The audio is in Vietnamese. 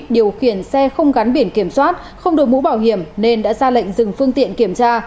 điều khiển xe không gắn biển kiểm soát không đổi mũ bảo hiểm nên đã ra lệnh dừng phương tiện kiểm tra